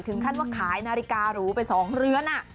ถึงขั้นว่าขายนาฬิการูไป๒เรือน